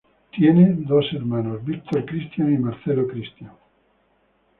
Tiene dos hermanos Victor Cristian y Marcelo Cristian.